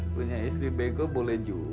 punya istri bego boleh juga